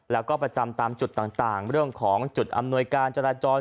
แล้วก็ประจำตามจุดต่างเรื่องของจุดอำนวยการจราจร